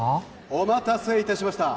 ・お待たせいたしました